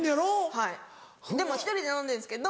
はいでも１人で飲んでるんですけど。